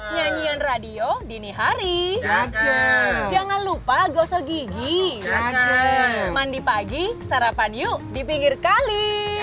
nyanyian radio dini hari jangan lupa gosok gigi mandi pagi sarapan yuk di pinggir kali